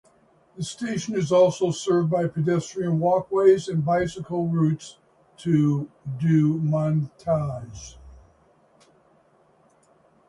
The station is also served by pedestrian walkways and bicycle routes in Deux-Montagnes.